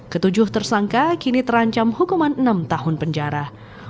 ketujuh tersangka kini terancam hukuman enam tahun penjara